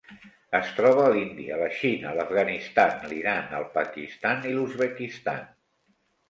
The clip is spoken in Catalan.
Es troba a l'Índia, la Xina, l'Afganistan, l'Iran, el Pakistan i l'Uzbekistan.